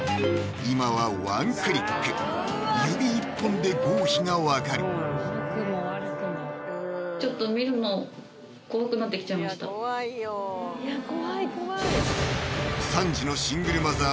今はワンクリック指一本で合否が分かるちょっといや怖い怖い３児のシングルマザー